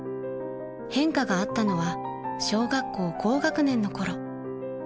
［変化があったのは小学校高学年のころ］